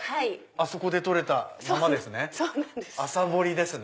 あそこで採れたままですね。